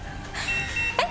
えっ？